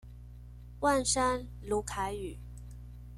萬山魯凱語